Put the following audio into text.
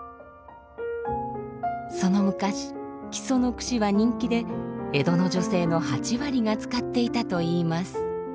その昔木曽の櫛は人気で江戸の女性の８割が使っていたといいます。